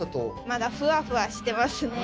まだふわふわしてますね。